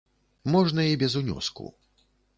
Можна і без унёску.